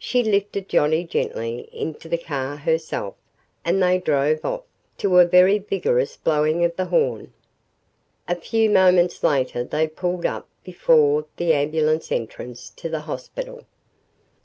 She lifted Johnnie gently into the car herself and they drove off, to a very vigorous blowing of the horn. A few moments later they pulled up before the ambulance entrance to the hospital.